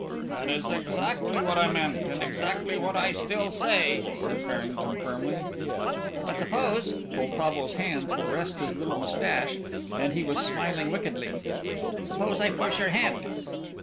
"That is exactly what I meant, and exactly what I still say," said Farrington, firmly. "But, suppose," Poltavo's hands caressed his little moustache, and he was smiling wickedly, "suppose I force your hand?"